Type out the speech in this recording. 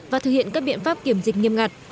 và thực hiện các biện pháp kiểm dịch nghiêm ngặt